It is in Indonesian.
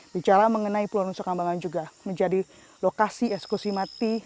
bicara mengenai pulau nusa kambangan juga menjadi lokasi eksekusi mati